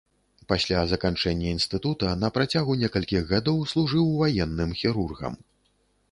Пасля заканчэння інстытута на працягу некалькіх гадоў служыў ваенным хірургам.